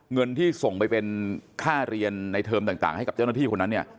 เงินที่ส่งไปเป็นค่าเรียนในเทอมต่างให้กับเจ้าหน้าที่คนนั้นเนี่ย